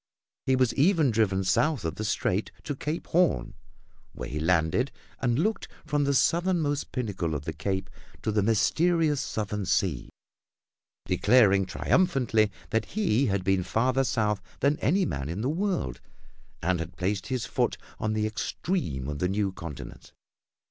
He was even driven south of the strait to Cape Horn, where he landed and looked from the southernmost pinnacle of the cape to the mysterious southern sea, declaring triumphantly that he had been farther south than any man in the world and had placed his foot on the extreme of the new continent.